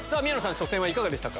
初戦はいかがでしたか？